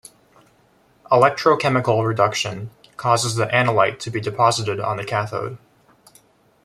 Electrochemical reduction causes the analyte to be deposited on the cathode.